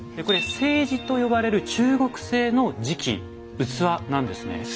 これ「青磁」と呼ばれる中国製の磁器器なんですね。